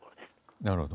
なるほど。